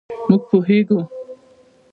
مونږ پوهیږو